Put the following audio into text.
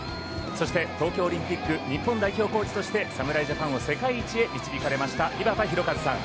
そして、東京オリンピック日本代表コーチとして侍ジャパンを世界一へ導かれました井端弘和さん。